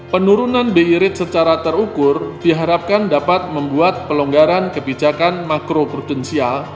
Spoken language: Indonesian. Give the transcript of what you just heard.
penurunan bi rate secara terukur diharapkan dapat membuat pelonggaran kebijakan makro prudensial